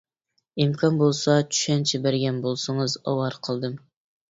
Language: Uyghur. ئىمكان بولسا چۈشەنچە بەرگەن بولسىڭىز. ئاۋارە قىلدىم.